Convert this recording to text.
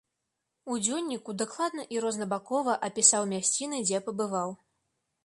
У дзённіку дакладна і рознабакова апісаў мясціны, дзе пабываў.